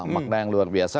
makna yang luar biasa